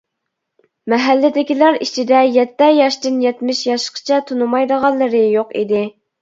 مەھەللىدىكىلەر ئىچىدە يەتتە ياشتىن يەتمىش ياشقىچە تونۇمايدىغانلىرى يوق ئىدى.